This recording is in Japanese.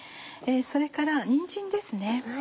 それからにんじんですね。